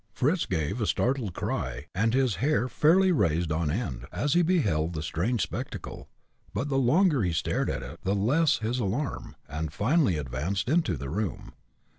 Fritz gave a startled cry, and his hair fairly raised on end, as he beheld the strange spectacle, but the longer he stared at it, the less his alarm, and he finally advanced into the room.